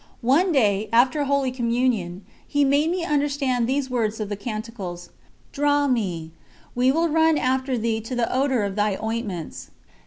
One day, after Holy Communion, He made me understand these words of the Canticles: "Draw me: we will run after Thee to the odour of Thy ointments."